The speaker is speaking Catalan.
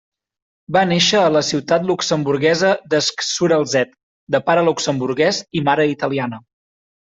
Va néixer a la ciutat luxemburguesa d'Esch-sur-Alzette, de pare luxemburguès i mare italiana.